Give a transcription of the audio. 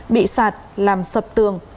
bị sạt làm sập tường